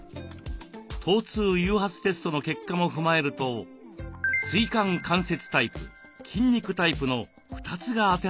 疼痛誘発テストの結果も踏まえると椎間関節タイプ筋肉タイプの２つが当てはまるそうです。